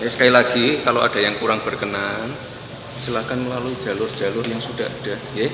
sekali lagi kalau ada yang kurang berkenan silakan melalui jalur jalur yang sudah ada